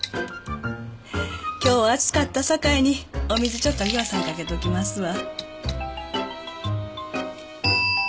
今日は暑かったさかいにお水ちょっとぎょうさん掛けときますわ。